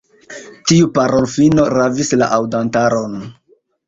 Tiu parolfino ravis la aŭdantaron.